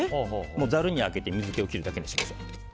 ざるにあけて水気を切るだけにしましょう。